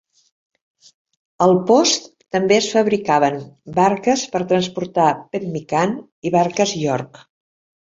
Al post també es fabricaven barques per transportar pemmican i barques York.